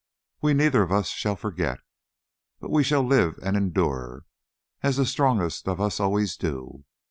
We neither of us shall forget, but we shall live and endure, as the strongest of us always do.